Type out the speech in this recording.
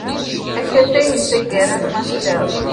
Akatay n taggara n Master.